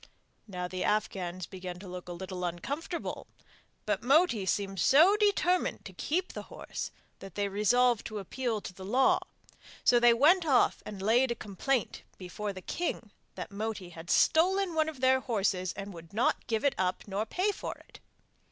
Now the Afghans began to look a little uncomfortable, but Moti seemed so determined to keep the horse that they resolved to appeal to the law, so they went off and laid a complaint before the king that Moti had stolen one of their horses and would not give it up nor pay for it.